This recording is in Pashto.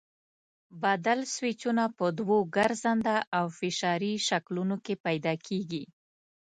بدل سویچونه په دوو ګرځنده او فشاري شکلونو کې پیدا کېږي.